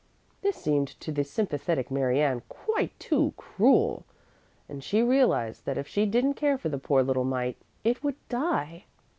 This seemed to the sympathetic Mary Ann quite too cruel, and she realised that if she didn't care for the poor little mite it would die.